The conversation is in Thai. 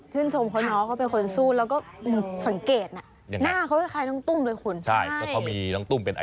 ชื่นชมคนน้องเขาเป็นคนสู้แล้วก็สังเกตน่ะ